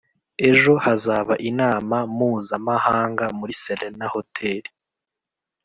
Ejo hazaba inama muzamahanga muri serena hoteli